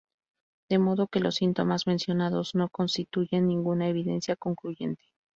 De modo que los síntomas mencionados no constituyen ninguna evidencia concluyente.